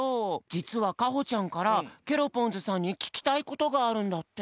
じつはかほちゃんからケロポンズさんにききたいことがあるんだって。